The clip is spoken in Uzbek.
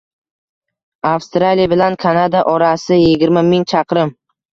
Avstraliya bilan Kanada orasi yigirma ming chaqirim.